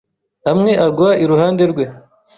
amwe agwa iruhande rwe,